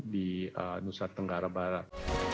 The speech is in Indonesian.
di nusantara barat